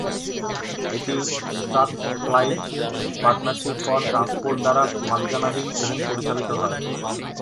এটি Strathclyde partnership for transport দ্বারা মালিকানাধীন এবং পরিচালিত হয়।